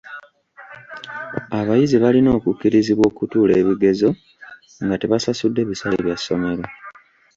Abayizi balina okukkirizibwa okutuula ebigezo nga tebasasudde bisale bya ssomero.